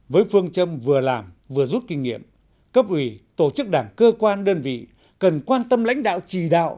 với phương châm vừa làm vừa rút kinh nghiệm cấp ủy tổ chức đảng cơ quan đơn vị cần quan tâm lãnh đạo chỉ đạo